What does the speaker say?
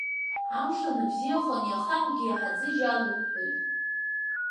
Амш анбзиахо ани ахаҳәгьы иаҳа аӡыжь иалҳәҳәоит.